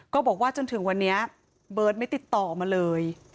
ก็บอกว่าจนถึงวันนี้เบิร์ตไม่ติดต่อมาเลย